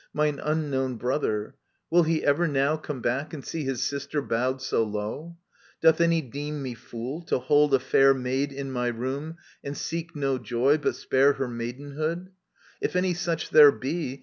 Mine unknown brother ! Will he ever now Come back and see his sister bowed so low i Doth any deem me fool, to hold a fair Maid in my room and seek no joy, but spare Her maidenhood ? If any such there be.